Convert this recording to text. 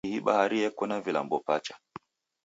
Ihi bahari yeko na vilambo pacha.